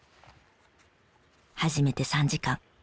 始めて３時間。